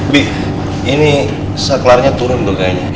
bi ini sekelarnya turun tuh kayaknya